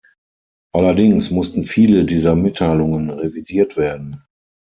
Allerdings mussten viele dieser Mitteilungen revidiert werden.